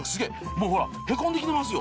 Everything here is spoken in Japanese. もうほらへこんできてますよ。